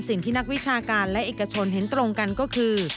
สิ่งที่นักวิชาการและเอกชนเห็นตรงกันก็คือ